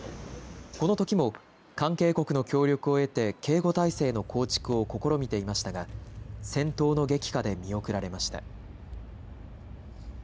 このときも関係国の協力を得て警護体制の構築を試みていましたが戦闘の激化で見送られました。